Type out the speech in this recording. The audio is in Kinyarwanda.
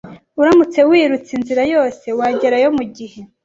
Uramutse wirutse inzira yose, wagerayo mugihe.